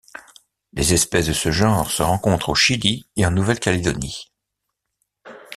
Les espèces de ce genre se rencontrent au Chili et en Nouvelle-Calédonie.